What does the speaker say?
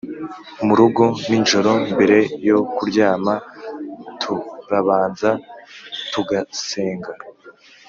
Murugo ninjoro mbere yo kuryama turabanza tugasenga